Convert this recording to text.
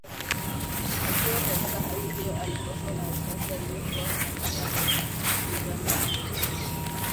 Akiwa katika hali hiyo akakoswa na risasi iliyotua mchangani akajizamisha majini